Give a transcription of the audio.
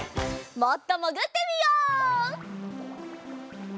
もっともぐってみよう。